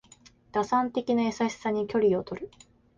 打算的な優しさに距離をとる